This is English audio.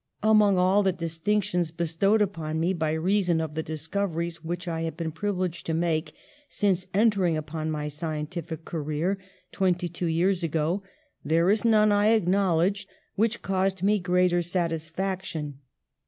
Among all the distinctions bestowed upon me by reason of the discoveries which I have been privileged to make since enter ing upon my scientific career, twenty two years ago, there is none, i acknowledge, which caused me greater satisfaction.